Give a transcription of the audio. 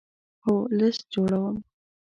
هو، لست جوړوم